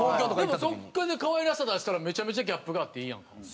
でもこれで可愛らしさ出したらめちゃめちゃギャップがあってええやんか。